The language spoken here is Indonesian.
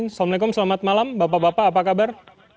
assalamualaikum selamat malam bapak bapak apa kabar